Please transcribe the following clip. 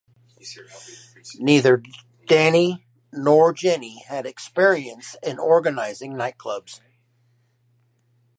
Neither Danny nor Jenni had experience in organising nightclubs.